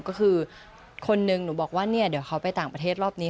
ก็คือคนนึงหนูบอกว่าเนี่ยเดี๋ยวเขาไปต่างประเทศรอบนี้